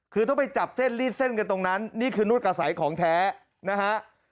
คือต้องไปจับเส้นลีดเส้นกันตรงนั้นนี่คือนวดกระสัยของแท้นะฮะ